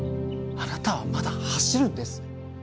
あなたはまだ走るんです！